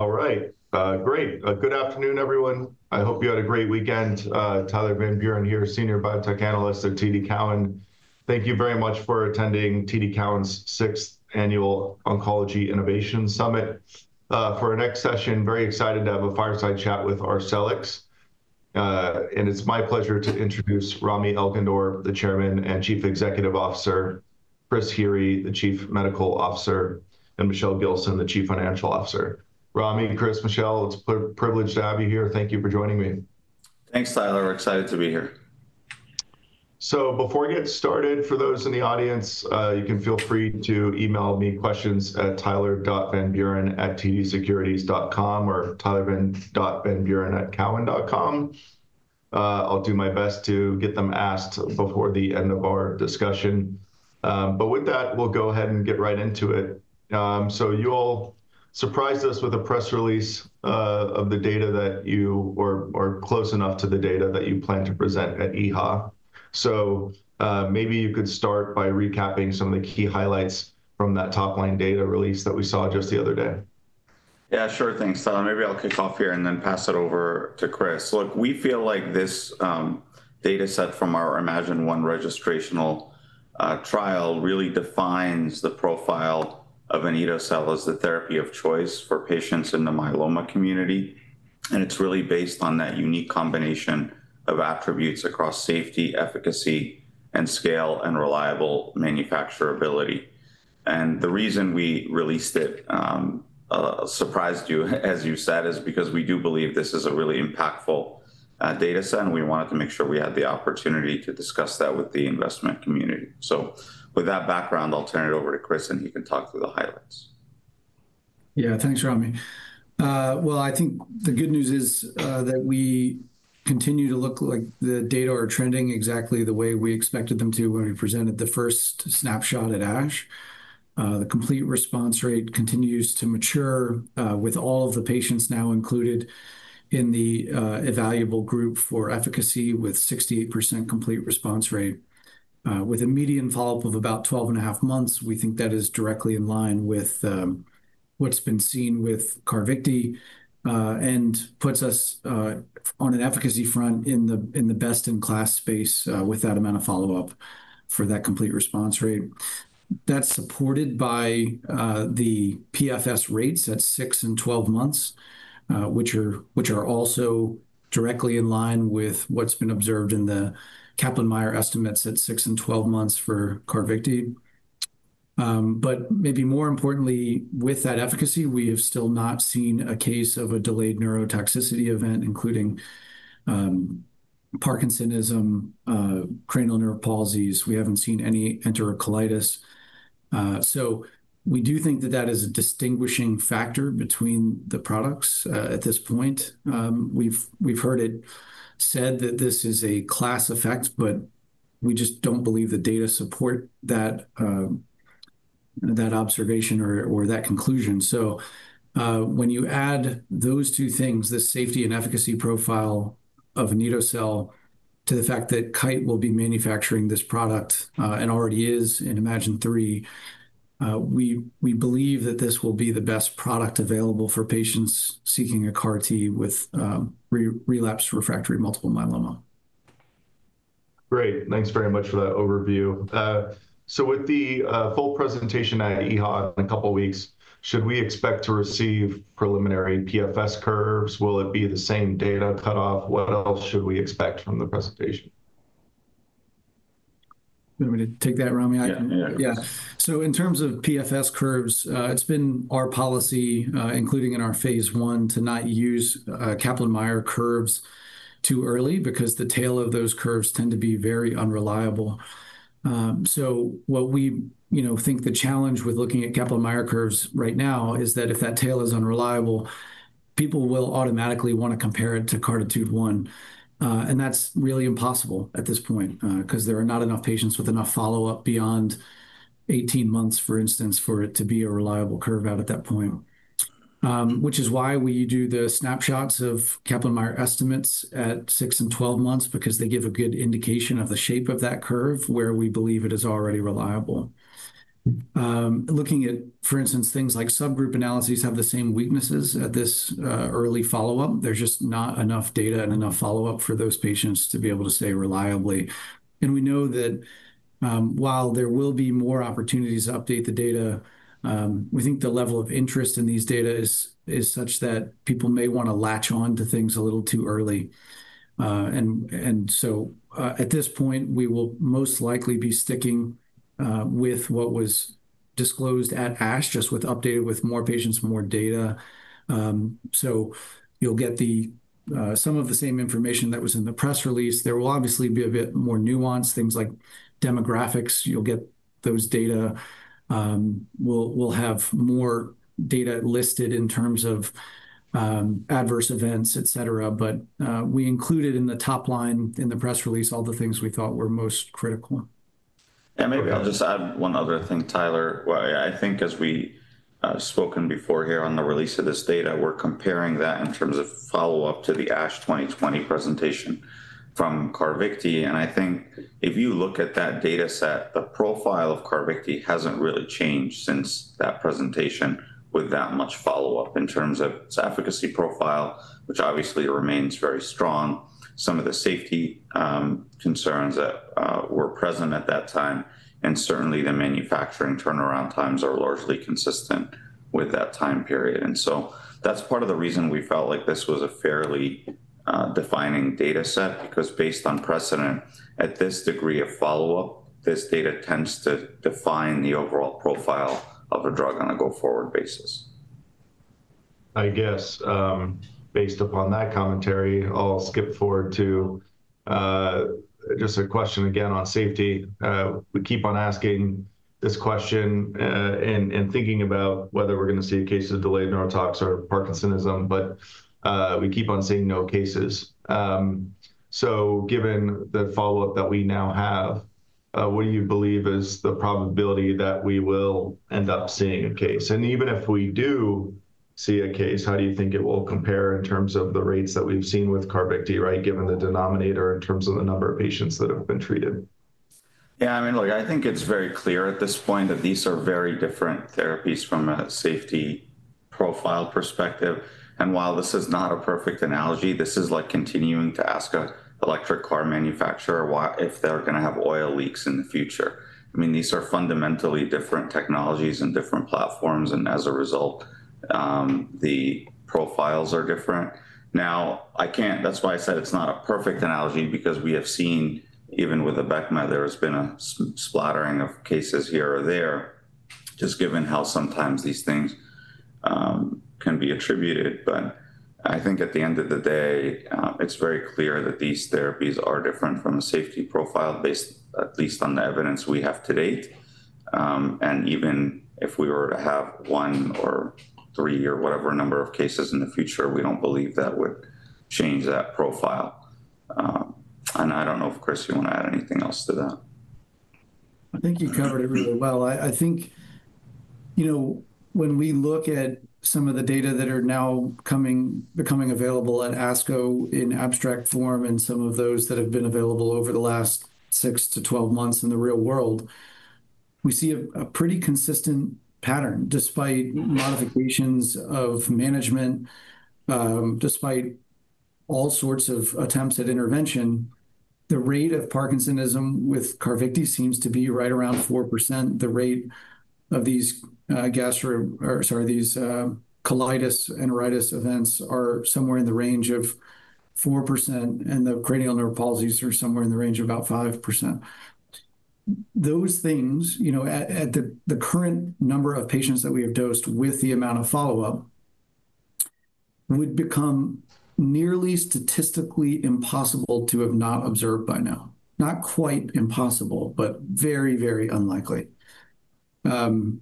All right. Great. Good afternoon, everyone. I hope you had a great weekend. Tyler Van Buren here, Senior Biotech Analyst at TD Cowen. Thank you very much for attending TD Cowen's 6th Annual Oncology Innovation Summit. For our next session, very excited to have a fireside chat with Arcellx. And it's my pleasure to introduce Rami Elghandour, the Chairman and Chief Executive Officer, Chris Heery, the Chief Medical Officer, and Michelle Gilson, the Chief Financial Officer. Rami, Chris, Michelle, it's a privilege to have you here. Thank you for joining me. Thanks, Tyler. We're excited to be here. Before we get started, for those in the audience, you can feel free to email me questions at Tyler.VanBuren@tdsecurities.com or Tyler.VanBuren@cowen.com. I'll do my best to get them asked before the end of our discussion. With that, we'll go ahead and get right into it. You'll surprise us with a press release of the data that you are close enough to the data that you plan to present at EHA. Maybe you could start by recapping some of the key highlights from that top-line data release that we saw just the other day. Yeah, sure. Thanks, Tyler. Maybe I'll kick off here and then pass it over to Chris. Look, we feel like this data set from our iMMagine-1 registrational trial really defines the profile of anito-cel as the therapy of choice for patients in the myeloma community. It is really based on that unique combination of attributes across safety, efficacy, and scale, and reliable manufacturability. The reason we released it surprised you, as you said, is because we do believe this is a really impactful data set. We wanted to make sure we had the opportunity to discuss that with the investment community. With that background, I'll turn it over to Chris, and he can talk through the highlights. Yeah, thanks, Rami. I think the good news is that we continue to look like the data are trending exactly the way we expected them to when we presented the first snapshot at ASH. The complete response rate continues to mature with all of the patients now included in the evaluable group for efficacy with a 68% complete response rate. With a median follow-up of about 12 and a half months, we think that is directly in line with what's been seen with Carvykti and puts us on an efficacy front in the best-in-class space with that amount of follow-up for that complete response rate. That's supported by the PFS rates at six and 12 months, which are also directly in line with what's been observed in the Kaplan-Meier estimates at six and 12 months for Carvykti. Maybe more importantly, with that efficacy, we have still not seen a case of a delayed neurotoxicity event, including Parkinsonism, cranial nerve palsies. We haven't seen any enterocolitis. We do think that that is a distinguishing factor between the products at this point. We've heard it said that this is a class effect, but we just don't believe the data support that observation or that conclusion. When you add those two things, the safety and efficacy profile of anito-cel to the fact that Kite will be manufacturing this product and already is in iMMagine-3, we believe that this will be the best product available for patients seeking a CAR-T with relapsed refractory multiple myeloma. Great. Thanks very much for that overview. With the full presentation at EHA in a couple of weeks, should we expect to receive preliminary PFS curves? Will it be the same data cutoff? What else should we expect from the presentation? Do you want me to take that, Rami? Yeah. Yeah. In terms of PFS curves, it's been our policy, including in our phase one, to not use Kaplan-Meier curves too early because the tail of those curves tends to be very unreliable. What we think the challenge with looking at Kaplan-Meier curves right now is that if that tail is unreliable, people will automatically want to compare it to CARTITUDE-1. That's really impossible at this point because there are not enough patients with enough follow-up beyond 18 months, for instance, for it to be a reliable curve out at that point. That is why we do the snapshots of Kaplan-Meier estimates at six and 12 months because they give a good indication of the shape of that curve where we believe it is already reliable. Looking at, for instance, things like subgroup analyses have the same weaknesses at this early follow-up. There's just not enough data and enough follow-up for those patients to be able to say reliably. We know that while there will be more opportunities to update the data, we think the level of interest in these data is such that people may want to latch on to things a little too early. At this point, we will most likely be sticking with what was disclosed at ASH, just updated with more patients, more data. You'll get some of the same information that was in the press release. There will obviously be a bit more nuance, things like demographics. You'll get those data. We'll have more data listed in terms of adverse events, et cetera. We included in the top line in the press release all the things we thought were most critical. Maybe I'll just add one other thing, Tyler. I think as we've spoken before here on the release of this data, we're comparing that in terms of follow-up to the ASH 2020 presentation from Carvykti. I think if you look at that data set, the profile of Carvykti hasn't really changed since that presentation with that much follow-up in terms of its efficacy profile, which obviously remains very strong. Some of the safety concerns that were present at that time, and certainly the manufacturing turnaround times, are largely consistent with that time period. That's part of the reason we felt like this was a fairly defining data set because based on precedent, at this degree of follow-up, this data tends to define the overall profile of a drug on a go-forward basis. I guess based upon that commentary, I'll skip forward to just a question again on safety. We keep on asking this question and thinking about whether we're going to see cases of delayed neurotox or Parkinsonism, but we keep on seeing no cases. Given the follow-up that we now have, what do you believe is the probability that we will end up seeing a case? Even if we do see a case, how do you think it will compare in terms of the rates that we've seen with Carvykti, right, given the denominator in terms of the number of patients that have been treated? Yeah, I mean, look, I think it's very clear at this point that these are very different therapies from a safety profile perspective. While this is not a perfect analogy, this is like continuing to ask an electric car manufacturer if they're going to have oil leaks in the future. I mean, these are fundamentally different technologies and different platforms. As a result, the profiles are different. Now, I can't—that's why I said it's not a perfect analogy because we have seen, even with Abecma, there has been a splattering of cases here or there, just given how sometimes these things can be attributed. I think at the end of the day, it's very clear that these therapies are different from a safety profile, at least on the evidence we have to date. Even if we were to have one or three or whatever number of cases in the future, we do not believe that would change that profile. I do not know if Chris, you want to add anything else to that. I think you covered it really well. I think when we look at some of the data that are now becoming available at ASCO in abstract form and some of those that have been available over the last six to 12 months in the real world, we see a pretty consistent pattern despite modifications of management, despite all sorts of attempts at intervention. The rate of Parkinsonism with Carvykti seems to be right around 4%. The rate of these gastro—sorry, these colitis and rhinitis events are somewhere in the range of 4%, and the cranial nerve palsies are somewhere in the range of about 5%. Those things, at the current number of patients that we have dosed with the amount of follow-up, would become nearly statistically impossible to have not observed by now. Not quite impossible, but very, very unlikely. Again,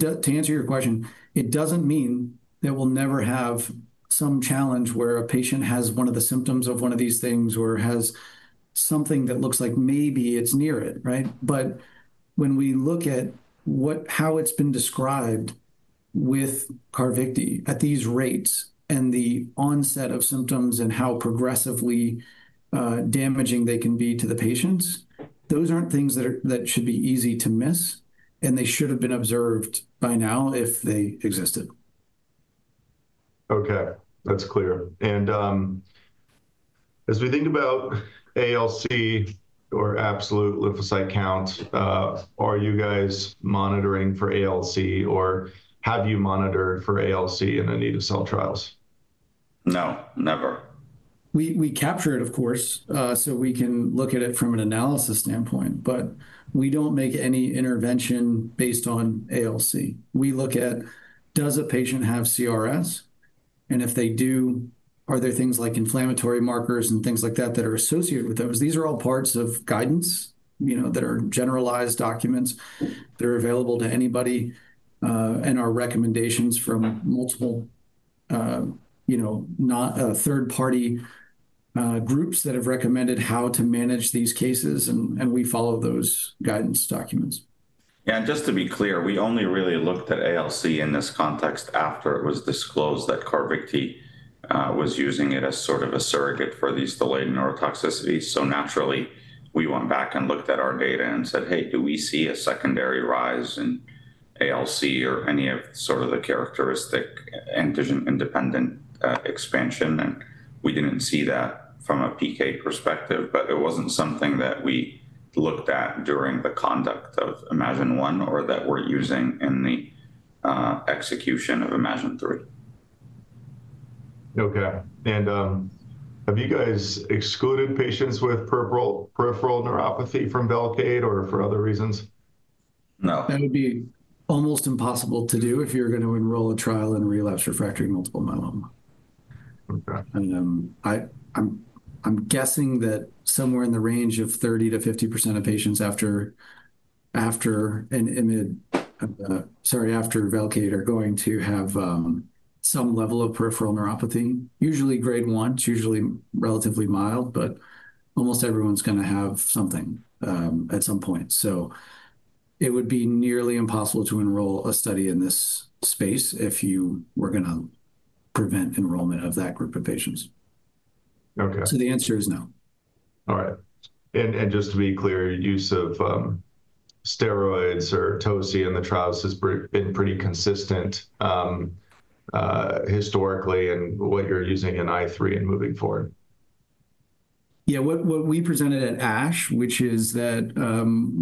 to answer your question, it doesn't mean that we'll never have some challenge where a patient has one of the symptoms of one of these things or has something that looks like maybe it's near it, right? When we look at how it's been described with Carvykti at these rates and the onset of symptoms and how progressively damaging they can be to the patients, those aren't things that should be easy to miss, and they should have been observed by now if they existed. Okay. That's clear. As we think about ALC or absolute lymphocyte count, are you guys monitoring for ALC, or have you monitored for ALC in any of the cell trials? No. Never. We capture it, of course, so we can look at it from an analysis standpoint. We do not make any intervention based on ALC. We look at, does a patient have CRS? If they do, are there things like inflammatory markers and things like that that are associated with those? These are all parts of guidance that are generalized documents that are available to anybody and are recommendations from multiple third-party groups that have recommended how to manage these cases. We follow those guidance documents. Yeah. Just to be clear, we only really looked at ALC in this context after it was disclosed that Carvykti was using it as sort of a surrogate for these delayed neurotoxicities. Naturally, we went back and looked at our data and said, "Hey, do we see a secondary rise in ALC or any of sort of the characteristic antigen-independent expansion?" We did not see that from a PK perspective, but it was not something that we looked at during the conduct of iMMagine-1 or that we are using in the execution of iMMagine-3. Okay. Have you guys excluded patients with peripheral neuropathy from Velcade or for other reasons? No. That would be almost impossible to do if you're going to enroll a trial in relapsed refractory multiple myeloma. Okay. I'm guessing that somewhere in the range of 30%-50% of patients after Velcade are going to have some level of peripheral neuropathy, usually grade 1. It's usually relatively mild, but almost everyone's going to have something at some point. It would be nearly impossible to enroll a study in this space if you were going to prevent enrollment of that group of patients. Okay. The answer is no. All right. Just to be clear, use of steroids or tocilizumab in the trials has been pretty consistent historically in what you're using in iMMagine-3 and moving forward. Yeah. What we presented at ASH, which is that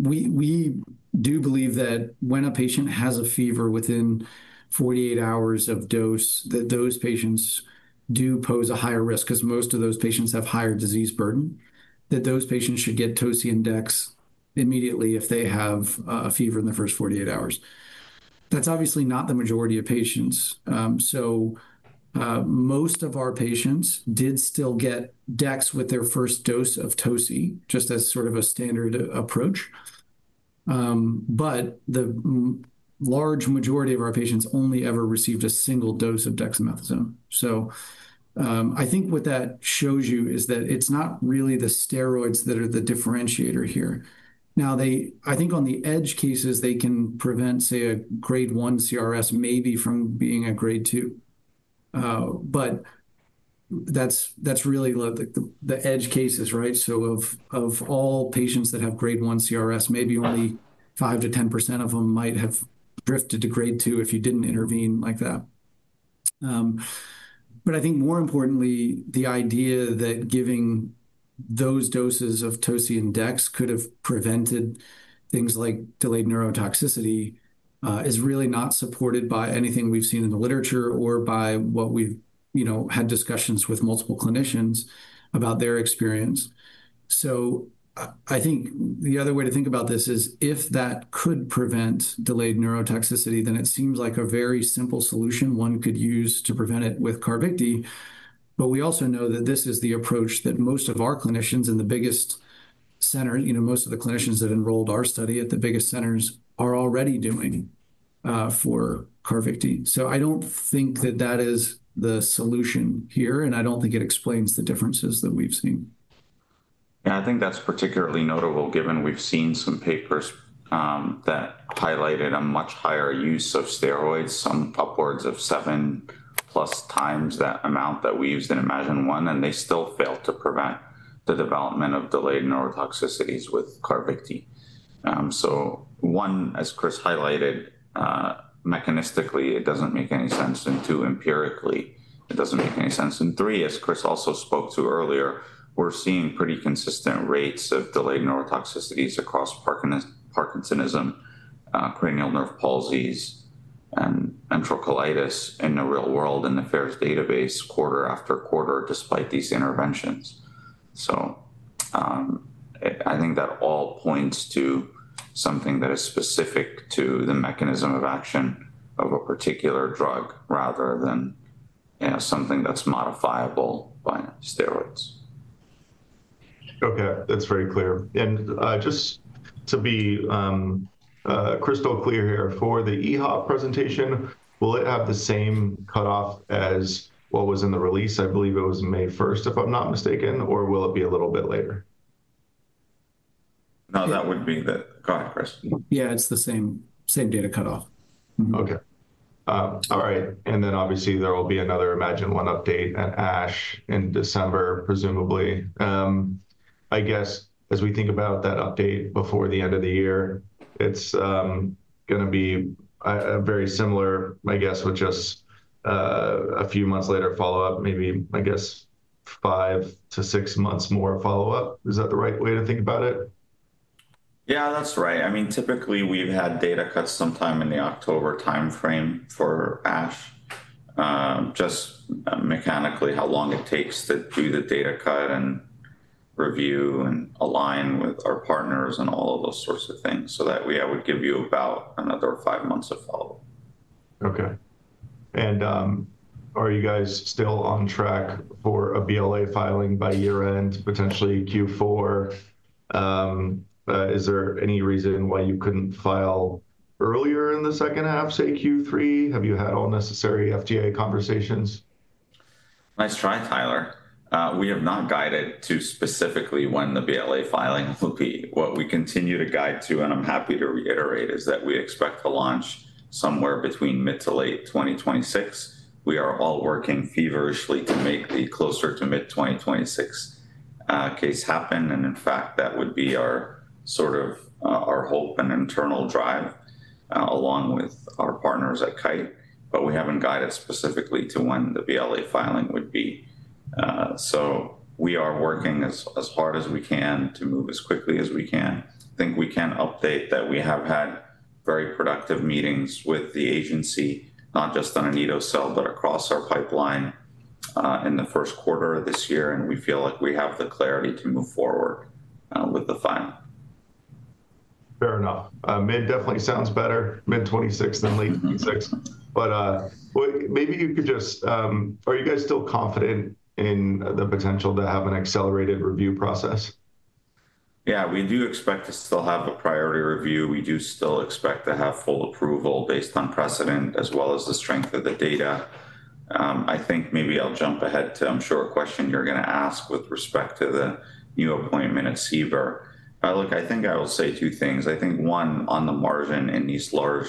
we do believe that when a patient has a fever within 48 hours of dose, that those patients do pose a higher risk because most of those patients have higher disease burden, that those patients should get Toci and Dex immediately if they have a fever in the first 48 hours. That's obviously not the majority of patients. Most of our patients did still get Dex with their first dose of Toci, just as sort of a standard approach. The large majority of our patients only ever received a single dose of dexamethasone. I think what that shows you is that it's not really the steroids that are the differentiator here. I think on the edge cases, they can prevent, say, a grade 1 CRS maybe from being a grade 2. But that's really the edge cases, right? So of all patients that have grade 1 CRS, maybe only 5%-10% of them might have drifted to grade 2 if you didn't intervene like that. But I think more importantly, the idea that giving those doses of Toci and Dex could have prevented things like delayed neurotoxicity is really not supported by anything we've seen in the literature or by what we've had discussions with multiple clinicians about their experience. So I think the other way to think about this is if that could prevent delayed neurotoxicity, then it seems like a very simple solution one could use to prevent it with Carvykti. But we also know that this is the approach that most of our clinicians and the biggest centers, most of the clinicians that enrolled our study at the biggest centers are already doing for Carvykti. I don't think that that is the solution here, and I don't think it explains the differences that we've seen. Yeah. I think that's particularly notable given we've seen some papers that highlighted a much higher use of steroids, some upwards of seven-plus times that amount that we used in iMMagine-1, and they still failed to prevent the development of delayed neurotoxicities with Carvykti. One, as Chris highlighted, mechanistically, it doesn't make any sense. Two, empirically, it doesn't make any sense. Three, as Chris also spoke to earlier, we're seeing pretty consistent rates of delayed neurotoxicities across Parkinsonism, cranial nerve palsies, and enterocolitis in the real world in the FAERS database quarter after quarter despite these interventions. I think that all points to something that is specific to the mechanism of action of a particular drug rather than something that's modifiable by steroids. Okay. That's very clear. Just to be crystal clear here, for the EHA presentation, will it have the same cutoff as what was in the release? I believe it was May 1st, if I'm not mistaken, or will it be a little bit later? No, that would be the—go ahead, Chris. Yeah, it's the same data cutoff. Okay. All right. Obviously, there will be another iMMagine-1 update at ASH in December, presumably. I guess as we think about that update before the end of the year, it's going to be very similar, I guess, with just a few months later follow-up, maybe, I guess, five to six months more follow-up. Is that the right way to think about it? Yeah, that's right. I mean, typically, we've had data cuts sometime in the October timeframe for ASH, just mechanically how long it takes to do the data cut and review and align with our partners and all of those sorts of things so that we would give you about another five months of follow-up. Okay. Are you guys still on track for a BLA filing by year-end, potentially Q4? Is there any reason why you couldn't file earlier in the second half, say, Q3? Have you had all necessary FDA conversations? Nice try, Tyler. We have not guided to specifically when the BLA filing will be. What we continue to guide to, and I'm happy to reiterate, is that we expect the launch somewhere between mid to late 2026. We are all working feverishly to make the closer to mid-2026 case happen. In fact, that would be sort of our hope and internal drive along with our partners at Kite. We haven't guided specifically to when the BLA filing would be. We are working as hard as we can to move as quickly as we can. I think we can update that we have had very productive meetings with the agency, not just on anito-cel, but across our pipeline in the first quarter of this year. We feel like we have the clarity to move forward with the file. Fair enough. Mid definitely sounds better, mid-2026 than late 2026. Are you guys still confident in the potential to have an accelerated review process? Yeah. We do expect to still have a priority review. We do still expect to have full approval based on precedent as well as the strength of the data. I think maybe I'll jump ahead to, I'm sure, a question you're going to ask with respect to the new appointment at CBER. Look, I think I will say two things. I think one, on the margin in these large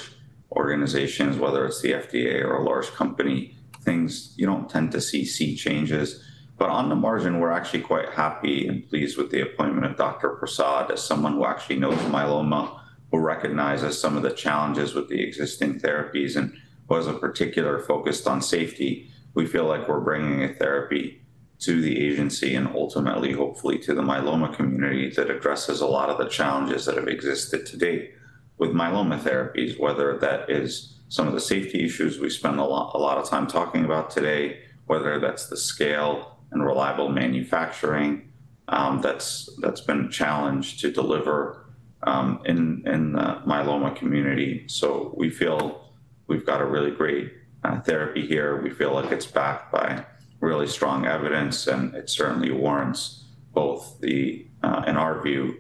organizations, whether it's the FDA or a large company, things you don't tend to see changes. But on the margin, we're actually quite happy and pleased with the appointment of Dr. Prasad as someone who actually knows myeloma, who recognizes some of the challenges with the existing therapies, and was particularly focused on safety. We feel like we're bringing a therapy to the agency and ultimately, hopefully, to the myeloma community that addresses a lot of the challenges that have existed to date with myeloma therapies, whether that is some of the safety issues we spend a lot of time talking about today, whether that's the scale and reliable manufacturing that's been a challenge to deliver in the myeloma community. We feel we've got a really great therapy here. We feel like it's backed by really strong evidence, and it certainly warrants both, in our view,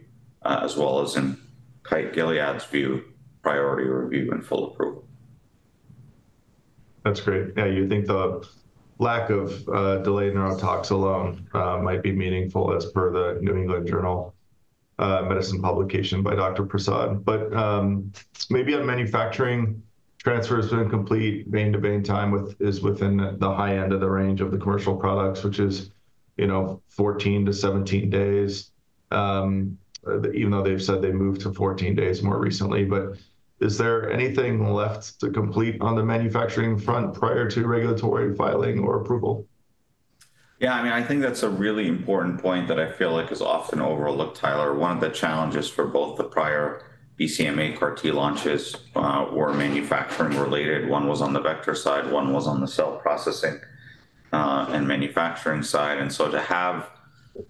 as well as in Kite Pharma-Gilead's view, priority review and full approval. That's great. Yeah. You think the lack of delayed neurotox alone might be meaningful as per the New England Journal Medicine publication by Dr. Prasad. Maybe on manufacturing, transfer has been complete, vein to vein time is within the high end of the range of the commercial products, which is 14-17 days, even though they've said they moved to 14 days more recently. Is there anything left to complete on the manufacturing front prior to regulatory filing or approval? Yeah. I mean, I think that's a really important point that I feel like is often overlooked, Tyler. One of the challenges for both the prior BCMA CAR-T launches were manufacturing-related. One was on the vector side. One was on the cell processing and manufacturing side. To have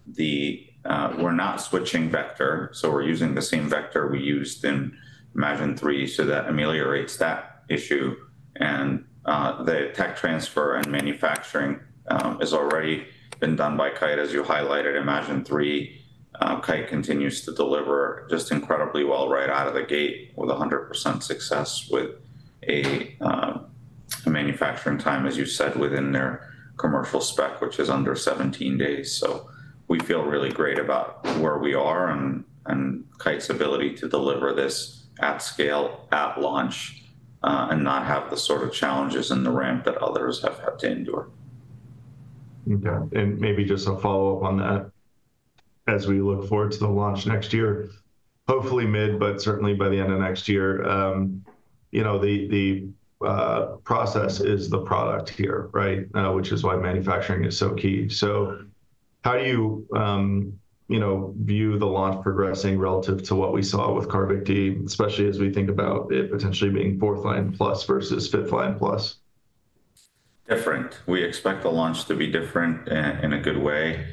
the—we're not switching vector. We're using the same vector we used in iMMagine-3, so that ameliorates that issue. The tech transfer and manufacturing has already been done by Kite, as you highlighted. iMMagine-3, Kite continues to deliver just incredibly well right out of the gate with 100% success with a manufacturing time, as you said, within their commercial spec, which is under 17 days. We feel really great about where we are and Kite's ability to deliver this at scale, at launch, and not have the sort of challenges in the ramp that others have had to endure. Okay. Maybe just a follow-up on that. As we look forward to the launch next year, hopefully mid, but certainly by the end of next year, the process is the product here, right, which is why manufacturing is so key. How do you view the launch progressing relative to what we saw with Carvykti, especially as we think about it potentially being fourth line plus versus fifth line plus? Different. We expect the launch to be different in a good way.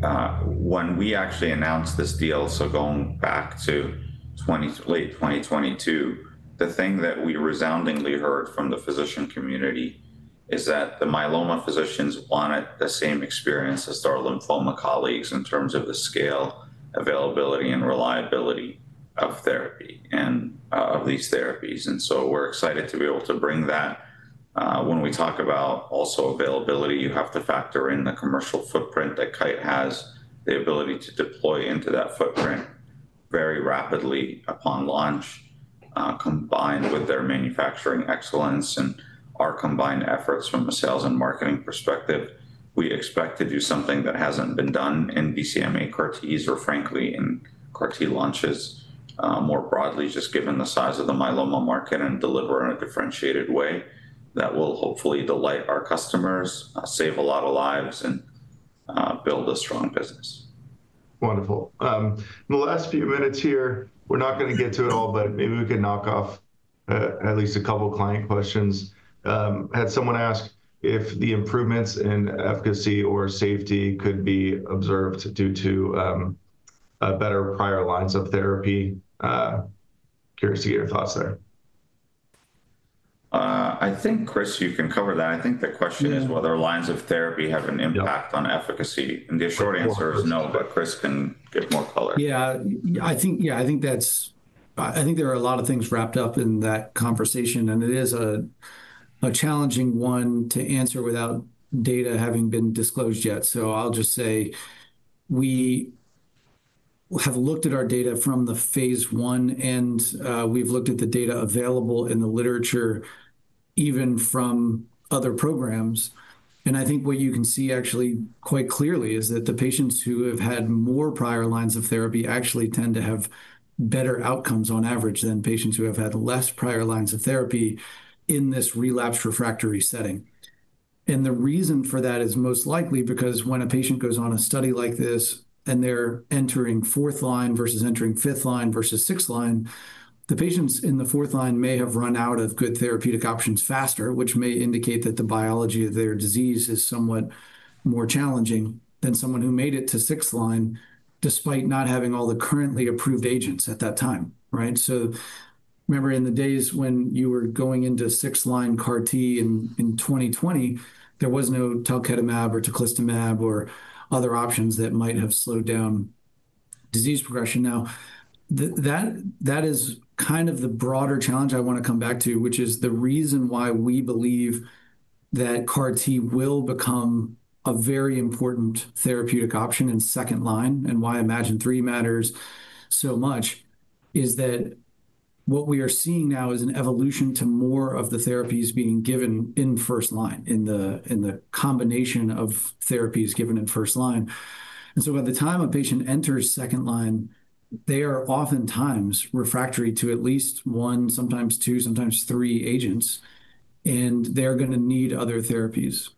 When we actually announced this deal, so going back to late 2022, the thing that we resoundingly heard from the physician community is that the myeloma physicians wanted the same experience as our lymphoma colleagues in terms of the scale, availability, and reliability of therapy and of these therapies. We are excited to be able to bring that. When we talk about also availability, you have to factor in the commercial footprint that Kite has, the ability to deploy into that footprint very rapidly upon launch, combined with their manufacturing excellence and our combined efforts from a sales and marketing perspective. We expect to do something that hasn't been done in BCMA CAR-Ts or, frankly, in CAR-T launches more broadly, just given the size of the myeloma market and deliver in a differentiated way that will hopefully delight our customers, save a lot of lives, and build a strong business. Wonderful. In the last few minutes here, we're not going to get to it all, but maybe we can knock off at least a couple of client questions. Had someone asked if the improvements in efficacy or safety could be observed due to better prior lines of therapy. Curious to get your thoughts there. I think, Chris, you can cover that. I think the question is whether lines of therapy have an impact on efficacy. The short answer is no, but Chris can get more color. Yeah. I think, yeah, I think that's—I think there are a lot of things wrapped up in that conversation, and it is a challenging one to answer without data having been disclosed yet. I'll just say we have looked at our data from the phase one, and we've looked at the data available in the literature, even from other programs. I think what you can see actually quite clearly is that the patients who have had more prior lines of therapy actually tend to have better outcomes on average than patients who have had less prior lines of therapy in this relapse refractory setting. The reason for that is most likely because when a patient goes on a study like this and they are entering fourth line versus entering fifth line versus sixth line, the patients in the fourth line may have run out of good therapeutic options faster, which may indicate that the biology of their disease is somewhat more challenging than someone who made it to sixth line despite not having all the currently approved agents at that time, right? Remember in the days when you were going into sixth line CAR-T in 2020, there was no talquetamab or tocilizumab or other options that might have slowed down disease progression. Now, that is kind of the broader challenge I want to come back to, which is the reason why we believe that CAR-T will become a very important therapeutic option in second line and why iMMagine-3 matters so much is that what we are seeing now is an evolution to more of the therapies being given in first line in the combination of therapies given in first line. By the time a patient enters second line, they are oftentimes refractory to at least one, sometimes two, sometimes three agents, and they're going to need other therapies.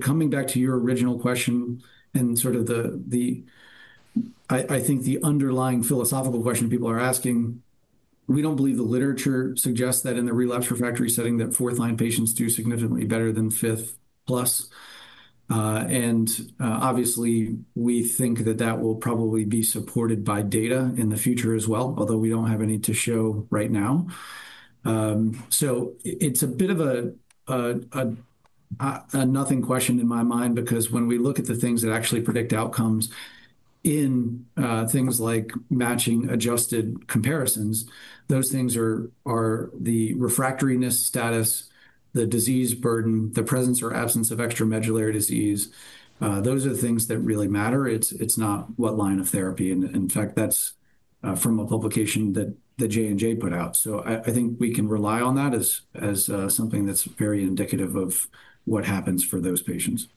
Coming back to your original question and sort of the—I think the underlying philosophical question people are asking, we don't believe the literature suggests that in the relapsed refractory setting that fourth line patients do significantly better than fifth plus. Obviously, we think that that will probably be supported by data in the future as well, although we do not have any to show right now. It is a bit of a nothing question in my mind because when we look at the things that actually predict outcomes in things like matching adjusted comparisons, those things are the refractoriness status, the disease burden, the presence or absence of extramedullary disease. Those are the things that really matter. It is not what line of therapy. In fact, that is from a publication that J&J put out. I think we can rely on that as something that is very indicative of what happens for those patients.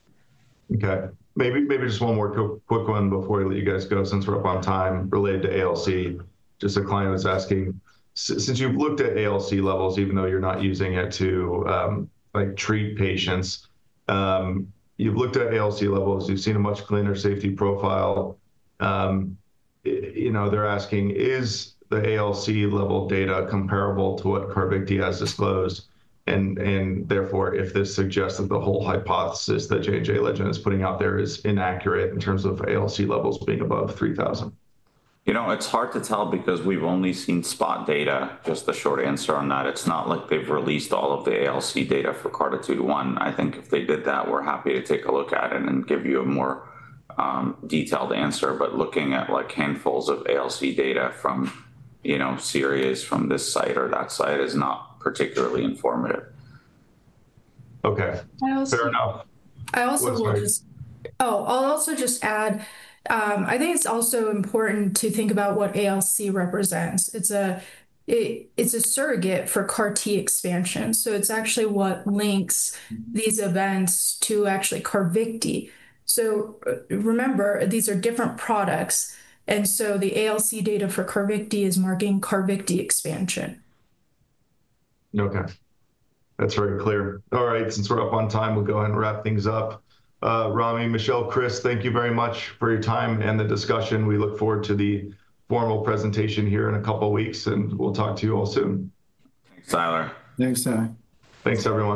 Okay. Maybe just one more quick one before I let you guys go since we're up on time related to ALC. Just a client was asking, since you've looked at ALC levels, even though you're not using it to treat patients, you've looked at ALC levels, you've seen a much cleaner safety profile. They're asking, is the ALC level data comparable to what Carvykti has disclosed? And therefore, if this suggests that the whole hypothesis that J&J Legend is putting out there is inaccurate in terms of ALC levels being above 3,000? It's hard to tell because we've only seen spot data. Just the short answer on that, it's not like they've released all of the ALC data for CARTI21. I think if they did that, we're happy to take a look at it and give you a more detailed answer. Looking at handfuls of ALC data from series from this site or that site is not particularly informative. Okay. Fair enough. I'll also just add, I think it's also important to think about what ALC represents. It's a surrogate for CAR-T expansion. It's actually what links these events to actually Carvykti. Remember, these are different products. The ALC data for Carvykti is marking Carvykti expansion. Okay. That's very clear. All right. Since we're up on time, we'll go ahead and wrap things up. Rami, Michelle, Chris, thank you very much for your time and the discussion. We look forward to the formal presentation here in a couple of weeks, and we'll talk to you all soon. Thanks, Tyler. Thanks, Tyler. Thanks, everyone.